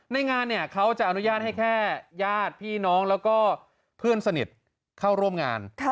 ในงานเนี่ยเขาจะอนุญาตให้แค่ญาติพี่น้องแล้วก็เพื่อนสนิทเข้าร่วมงาน